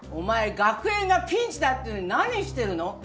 学園がピンチだっていうのに何してるの。